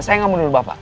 saya gak menurut bapak